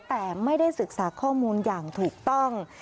แต่ไม่ได้ศึกษาข้อมูลอย่างถูกต้อง